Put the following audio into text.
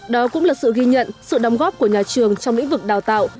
đó cũng là sự ghi nhận sự đóng góp của nhà trường trong lĩnh vực đào tạo